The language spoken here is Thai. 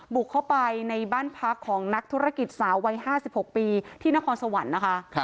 บุกเข้าไปในบ้านพักของนักธุรกิจสาววัย๕๖ปีที่นครสวรรค์นะคะ